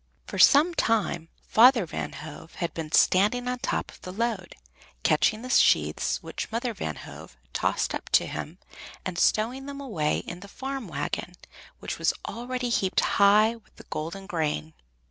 For some time Father Van Hove had been standing on top of the load, catching the sheaves which Mother Van Hove tossed up to him, and stowing them away in the farm wagon, which was already heaped high with the golden grain.